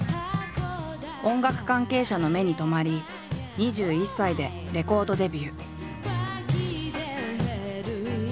音楽関係者の目に留まり２１歳でレコードデビュー。